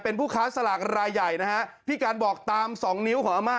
เป็นผู้ค้าสลากรายใหญ่นะฮะพี่การบอกตามสองนิ้วของอาม่า